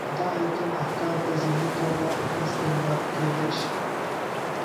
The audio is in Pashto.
دا ایتونه احکام په ضمني توګه استنباط کېدای شي.